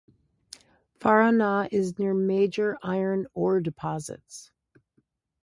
Faranah is near major iron ore deposits.